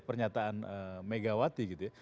pernyataan megawati gitu ya